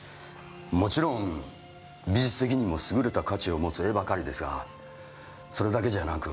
もちろん美術的にも優れた価値を持つ絵ばかりですがそれだけじゃなく